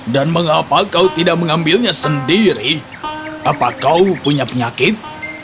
dan mengapa kau tidak mengambilnya sendiri apa kau punya penyakit